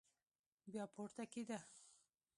بيا پورته کېده.